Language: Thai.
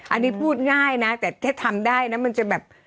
อันนี้พูดง่ายนะแต่ถ้าทำได้นะมันจะแบบ